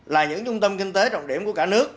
là những trung tâm kinh tế trọng điểm của cả nước